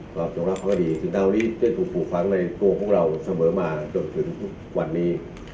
กราบตรงรับภาคดีสินาวนี้ได้ถูกผูกฟังในตัวของเราเสมอมาจนถึงวันนี้